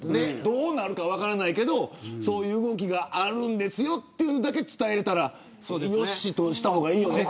どうなるか分からないけどそういう動きがあるんですよというのだけ伝えたらよしとした方がいいよね。